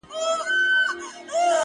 • چي فکرونه د نفاق پالي په سر کي,